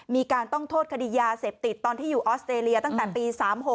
มีการต้องโทษคดียาเสพติดตอนที่อยู่ออสเตรเลียตั้งแต่ปี๓๖